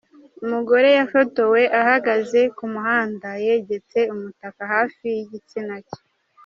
Umugore yafotowe ahagaze ku muhanda yegetse umutaka hafi n’ igitsina cye.